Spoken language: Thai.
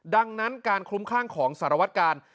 ดังนั้นการคลุมคลั่งของสารวัตการณ์